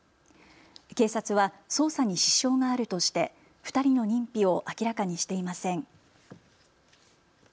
警察は捜査に支障があるとして２人の認否を明らかにしていません。